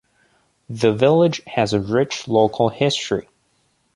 The village has a rich local history.